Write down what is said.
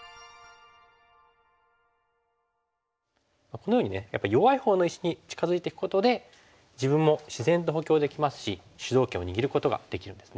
このようにねやっぱり弱いほうの石に近づいていくことで自分も自然と補強できますし主導権を握ることができるんですね。